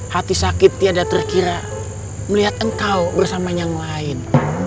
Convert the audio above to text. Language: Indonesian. hati sakit tiada terkira melihat engkau bersama yang lain